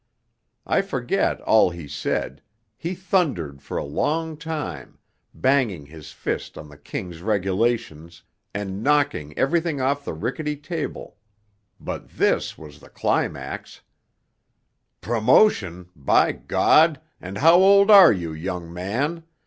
I forget all he said he thundered for a long time, banging his fist on the King's Regulations, and knocking everything off the rickety table but this was the climax: 'Promotion, by God! and how old are you, young man?